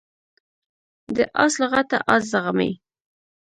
د آس لغته آس زغمي.